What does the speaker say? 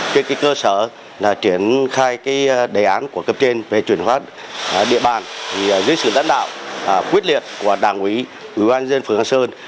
trên cơ sở triển khai đề án của cập trên về chuyển hóa địa bàn dưới sự đánh đạo quyết liệt của đảng quỹ ubnd phường an sơn